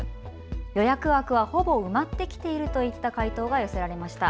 予約枠はほぼ埋まってきているといった回答が寄せられました。